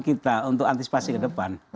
kita untuk antisipasi ke depan